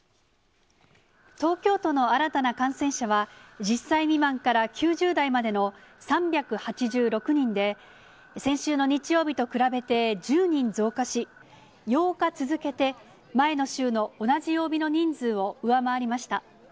東京都の新たな感染者は、１０歳未満から９０代までの３８６人で、先週の日曜日と比べて１０人増加し、８日続けて前の週の同じ曜日の人数を上回りました。